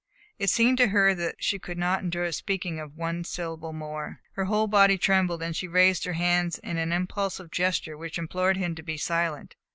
It seemed to her that she could not endure the speaking of one syllable more. Her whole body trembled, and she raised her hands in an impulsive gesture which implored him to be silent.